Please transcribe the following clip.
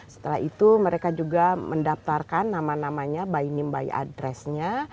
setelah itu mereka juga mendaftarkan nama namanya by name by address nya